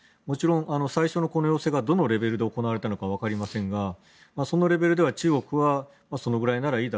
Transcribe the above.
もちろん最初のこの要請がどのレベルで行われたのかはわかりませんがそのレベルでは中国はそのぐらいなら